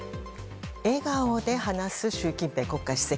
笑顔で話す習近平国家主席。